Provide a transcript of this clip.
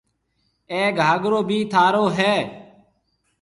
اَي گھاگرو بي ٿارو هيَ۔